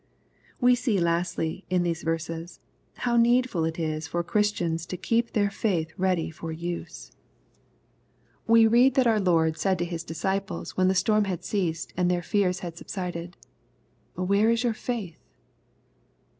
We see, lastly, in these verses, how needful it is frr Christians to keep their faith ready for use* We read that LUKE, CHAP. vm. 265 our Lord said to His disciples when the storm had ceased, and their fears had subsided, " Where^is your faith